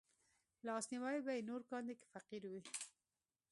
لاسنيوی به يې نور کاندي که فقير وي